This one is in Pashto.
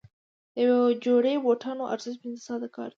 د یوې جوړې بوټانو ارزښت پنځه ساعته کار دی.